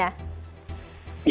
ya tentu saja